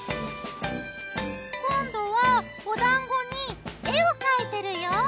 今度はお団子に絵を描いているよ。